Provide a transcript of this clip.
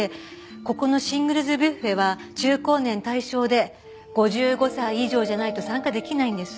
ここのシングルズ・ビュッフェは中高年対象で５５歳以上じゃないと参加出来ないんです。